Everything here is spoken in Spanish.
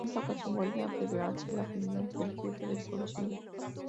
En esta ocasión vuelve a prevalecer la opinión del Jefe del Concilio.